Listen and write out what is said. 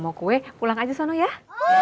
mau kue pulang aja sono ya